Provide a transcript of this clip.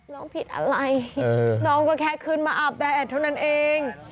น้องผิดอะไรน้องก็แค่ขึ้นมาอาบแดดเท่านั้นเอง